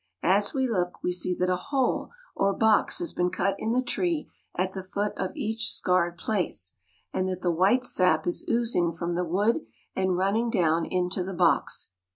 As we look we see that a hole or box has been cut in the tree at the foot of each scarred place, and that the white sap is oozing from the wood and running down into the box.